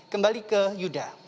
kembali ke yuda